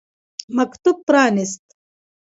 مکتوب پرانیست.